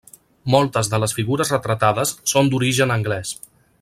Moltes de les figures retratades són d'origen anglès.